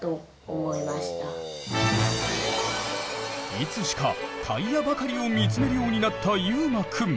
いつしかタイヤばかりを見つめるようになったゆうまくん。